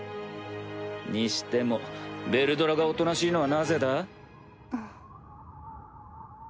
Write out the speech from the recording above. にしてもヴェルドラがおとなしいのはなぜだ？